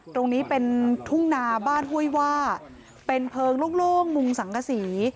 ตรงนี้เป็นทุ่งนาบ้านห้วยว่าเป็นเพลิงโล่งมุงสังกษี